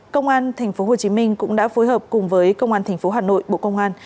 công an tp hcm cũng đã phối hợp cùng với công an tp hcm bộ công an